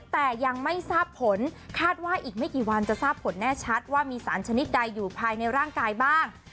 แต่ยังไม่ทราบผลคาดว่าอีกไม่กี่วันจะทราบผลแน่ชัดว่ามีสารชนิดใดอยู่ภายในร่างกายบ้าง